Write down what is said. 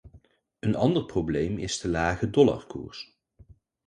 Een ander probleem is de lage dollarkoers.